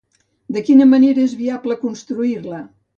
De quina manera és viable construir-la?